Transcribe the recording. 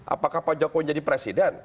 apakah pak jokowi jadi presiden